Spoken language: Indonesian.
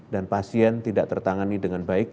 dan pasien tidak tertangani dengan baik